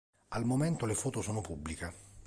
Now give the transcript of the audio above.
Al momento le foto sono pubbliche.